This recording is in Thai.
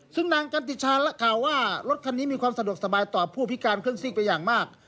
ซึ่งนางกันติชาและข่าวว่ารถคันนี้มีความสะดวกสบายต่อผู้พิการเครื่องซิกไปอย่างมาก